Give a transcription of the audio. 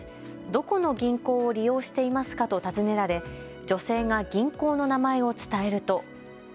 どこの銀行を利用していますかと尋ねられ女性が銀行の名前を伝えると。